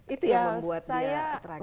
itu yang membuat dia tragedi